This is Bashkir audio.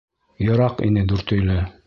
Йыраҡ ине Дүртөйлө.